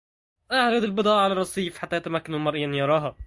أعرض البضاعة على الرصيف، حتى يمكن للمرء أن يراها!